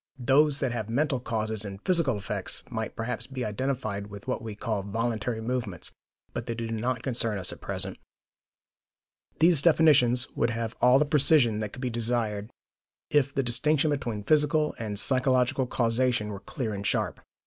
Those that have mental causes and physical effects might perhaps be identified with what we call voluntary movements; but they do not concern us at present. These definitions would have all the precision that could be desired if the distinction between physical and psychological causation were clear and sharp.